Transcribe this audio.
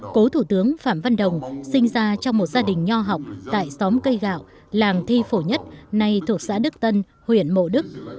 cố thủ tướng phạm văn đồng sinh ra trong một gia đình nho học tại xóm cây gạo làng thi phổ nhất nay thuộc xã đức tân huyện mộ đức